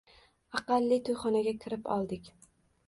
Aqalli toʻyxonaga kirib oldik.